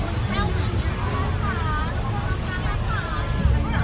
สวัสดีค่ะ